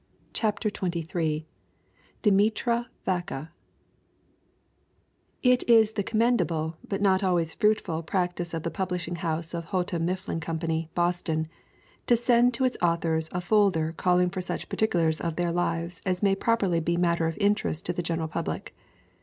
CHAPTER XXIII DEMETRA VAKA IT is the commendable but not always fruitful practice of the publishing house of Houghton Mifflin Company, Boston, to send to all its au thors a folder calling for such particulars of their lives as may properly be matter of interest to the general public.